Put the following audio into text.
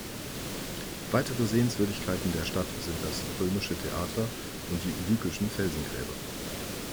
Weitere Sehenswürdigkeiten der Stadt sind das römische Theater und die lykischen Felsengräber.